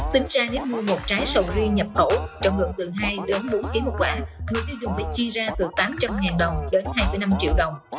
tính ra nếu mua một trái sầu riêng nhập khẩu trọng lượng từ hai bốn kg một quả nguyên dung phải chia ra từ tám trăm linh đồng đến hai năm triệu đồng